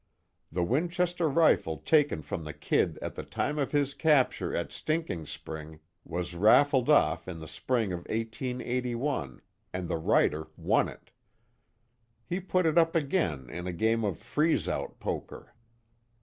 The Winchester rifle taken from the "Kid" at the time of his capture at Stinking Spring, was raffled off in the spring of 1881, and the writer won it. He put it up again in a game of "freeze out" poker.